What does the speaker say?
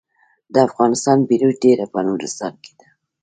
د افغانستان بیروج ډبره په نورستان کې ده